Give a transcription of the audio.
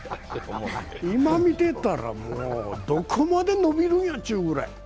今、見てたら、どこまで伸びるんやちゅうくらい。